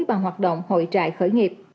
bằng hoạt động hội trại khởi nghiệp